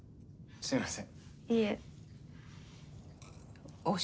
すみません。